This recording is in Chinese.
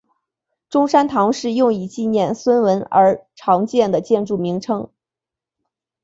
中山堂是用以纪念孙文而常见的建筑名称。